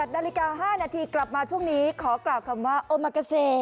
นาฬิกา๕นาทีกลับมาช่วงนี้ขอกล่าวคำว่าโอมากาเซ